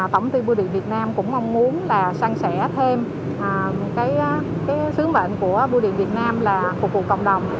tổng tiên bưu điện việt nam cũng mong muốn là sang sẻ thêm cái sứ mệnh của bưu điện việt nam là phục vụ cộng đồng